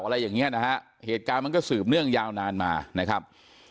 อะไรอย่างเงี้ยนะฮะเหตุการณ์มันก็สืบเนื่องยาวนานมานะครับ